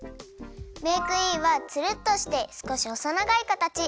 メークインはつるっとしてすこしほそながいかたち。